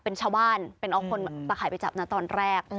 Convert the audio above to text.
เป็นชาวบ้านเป็นเอาคนตะข่ายไปจับนะตอนแรก